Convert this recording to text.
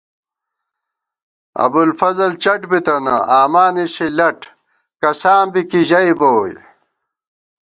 ابُوالفضل چٹ بِتنہ آما نِشی لٹ کساں بی کی ژئیبہ ووئی